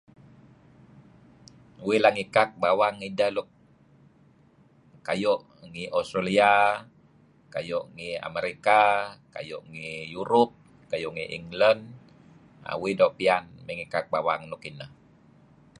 Uih la ngikak bawang iyeh nuk kayu' ngi Ausralia, kayu' ngi America, kayu' ngi Europe, kayu' ngi England. Uih doo' piyan mey ngikak bawang luk ineh.